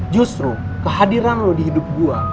justru kehadiran lo di hidup gua